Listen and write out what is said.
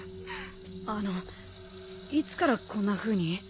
あのいつからこんなふうに？